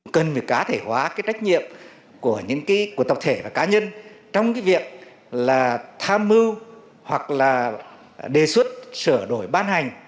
cần phải cá thể hóa trách nhiệm của tập thể và cá nhân trong việc tham mưu hoặc đề xuất sửa đổi ban hành